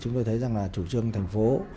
chúng tôi thấy rằng là chủ trương thành phố